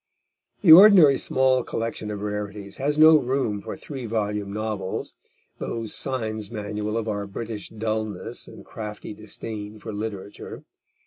The ordinary small collection of rarities has no room for three volume novels, those signs manual of our British dulness and crafty disdain for literature.